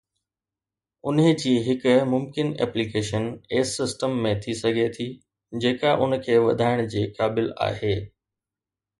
انهي جي هڪ ممڪن ايپليڪيشن ايس سسٽم ۾ ٿي سگهي ٿي جيڪا ان کي وڌائڻ جي قابل آهي